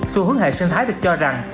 xu hướng hệ sinh thái được cho rằng